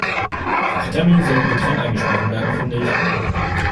Fachtermini sollten getrennt eingesprochen werden, finde ich.